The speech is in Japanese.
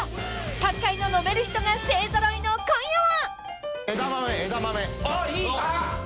［各界の飲める人が勢ぞろいの今夜は］